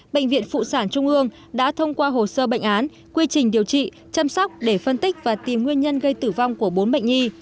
bệnh viện phụ sản trung ương đã thông qua hồ sơ bệnh án quy trình điều trị chăm sóc để phân tích và tìm nguyên nhân gây tử vong của bốn bệnh nhi